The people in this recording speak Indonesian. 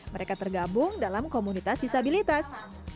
mereka tergabung dalam komunitas disabilitas